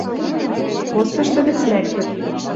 Постышты гӹц лӓктӹт